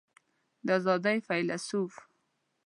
د آزادۍ فیلیسوف